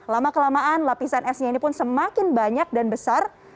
lama kelamaan lapisan esnya ini pun semakin banyak dan besar